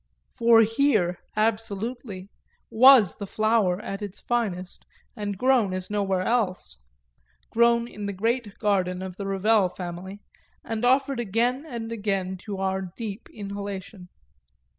For here, absolutely, was the flower at its finest and grown as nowhere else grown in the great garden of the Ravel Family and offered again and again to our deep inhalation.